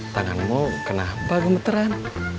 tanganmu kenapa gemeteran